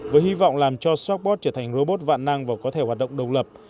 với hy vọng làm cho swagbot trở thành robot vạn năng và có thể hoạt động đồng lập